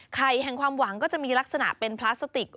แห่งความหวังก็จะมีลักษณะเป็นพลาสติก